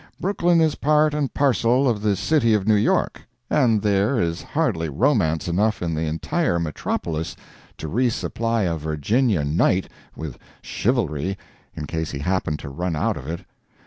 Brooklyn is part and parcel of the city of New York, and there is hardly romance enough in the entire metropolis to re supply a Virginia "knight" with "chivalry," in case he happened to run out of it.